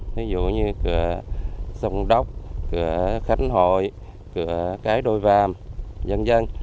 ví dụ như cửa sông đốc cửa khánh hội cửa cái đôi vàm dân dân